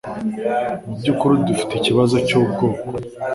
Mubyukuri, dufite ikibazo cyubwoko.